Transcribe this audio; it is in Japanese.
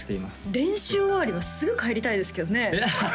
練習終わりはすぐ帰りたいですけどね